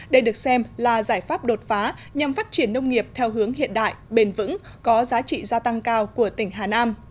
đây được xem là giải pháp đột phá nhằm phát triển nông nghiệp theo hướng hiện đại bền vững có giá trị gia tăng cao của tỉnh hà nam